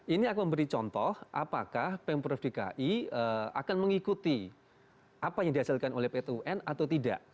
ini akan memberi contoh apakah pemprov dki akan mengikuti apa yang dihasilkan oleh pt un atau tidak